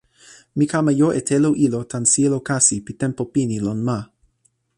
mi kama jo e telo ilo tan sijelo kasi pi tenpo pini lon ma.